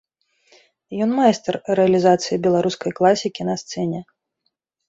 Ён майстар рэалізацыі беларускай класікі на сцэне.